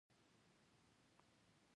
دیني مډرنیزېشن دی.